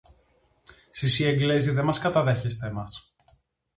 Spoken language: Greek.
Σεις οι Εγγλέζοι δε μας καταδέχεστε μας